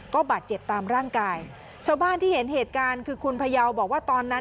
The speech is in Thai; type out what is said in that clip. ก็บาดเจ็บตามร่างกายชาวบ้านที่เห็นเหตุการณ์คือคุณพยาวบอกว่าตอนนั้น